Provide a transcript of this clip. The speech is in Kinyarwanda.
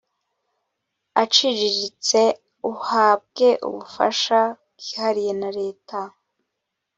aciriritse uhabwe ubufasha bwihariye na leta